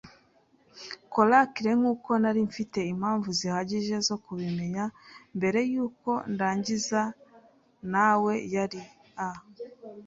Coracle - nkuko nari mfite impamvu zihagije zo kubimenya mbere yuko ndangiza nawe - yari a